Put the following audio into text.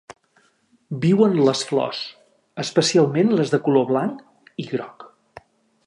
Viu en les flors, especialment les de color blanc i groc.